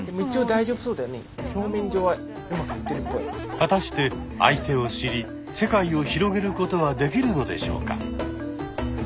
果たして相手を知り世界を広げることはできるのでしょうか。